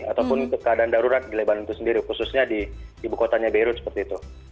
ataupun keadaan darurat di lebanon itu sendiri khususnya di ibu kotanya beirut seperti itu